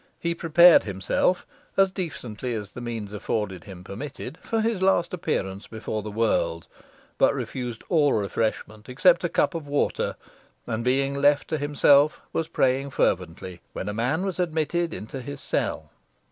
He prepared himself as decently as the means afforded him permitted for his last appearance before the world, but refused all refreshment except a cup of water, and being left to himself was praying fervently, when a man was admitted into his cell.